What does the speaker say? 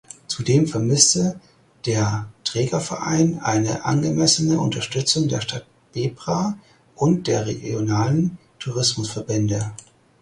Zudem vermisste der Trägerverein eine angemessene Unterstützung der Stadt Bebra und der regionalen Tourismusverbände.